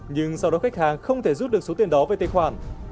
nhưng sau đó khách hàng không thể rút được số tiền đó về tài khoản